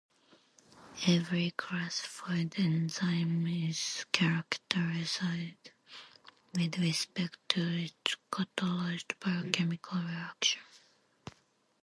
Every classified enzyme is characterized with respect to its catalyzed biochemical reaction.